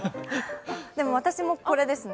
私もこれですね。